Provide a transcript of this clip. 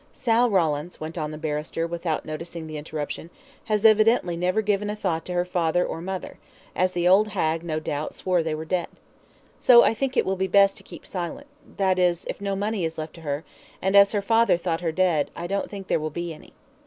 "Sal Rawlins," went on the barrister, without noticing the interruption, "has evidently never given a thought to her father or mother, as the old hag, no doubt, swore they were dead. So I think it will be best to keep silent that is, if no money is left to her, and, as her father thought her dead, I don't think there will be any.